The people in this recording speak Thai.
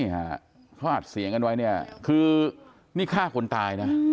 นี่ค่ะเขาอาจเสียงกันไว้คือนี่ฆ่าคนตายนะ